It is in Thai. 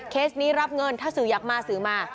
นี้รับเงินถ้าสื่ออยากมาสื่อมา